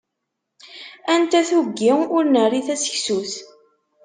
Anta tuggi ur nerri taseksut?